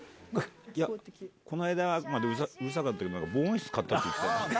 いや、この間までうるさかったけど、防音室買ったって言ってたよ。